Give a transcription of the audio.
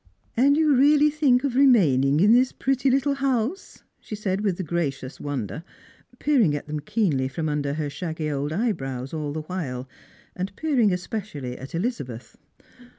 " And you really think of remaining in this pretty little house," she said with a gracious wonder, peering at them keenly from under her shaggy old eyebrows all the while, and peering especially at Elizabeth.